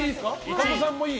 神田さんもいい？